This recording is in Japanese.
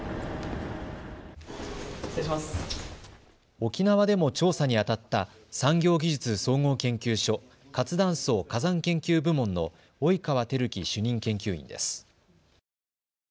沖縄でも調査にあたった産業技術総合研究所活断層・火山研究部門の及川輝樹主任研究員です。